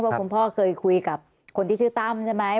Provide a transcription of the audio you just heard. คุณพ่อเคยคุยกับคนที่ชื่อตั้มใช่ไหม